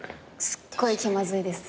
すっごい気まずいです。